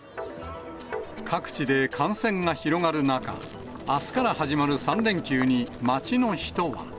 各地で感染が広がる中、あすから始まる３連休に街の人は。